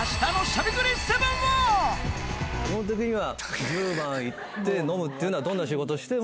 基本的には。